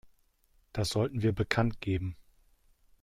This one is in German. Das sollten wir bekanntgeben.